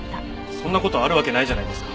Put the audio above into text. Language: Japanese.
そんな事あるわけないじゃないですか。